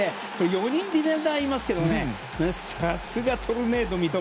４人ディフェンダーがいますがさすがトルネード三笘。